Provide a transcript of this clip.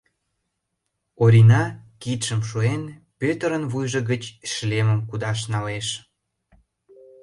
Орина, кидшым шуен, Пӧтырын вуйжо гыч шлемым кудаш налеш.